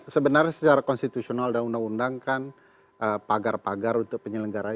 sebenarnya secara konstitusional dan undang undang kan pagar pagar untuk penyelenggaraan